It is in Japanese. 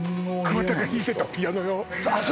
桑田が弾いてたピアノよ